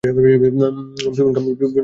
পিভনকা আমি ভালবাসি!